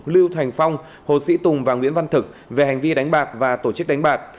lưu thành phong hồ sĩ tùng và nguyễn văn thực về hành vi đánh bạc và tổ chức đánh bạc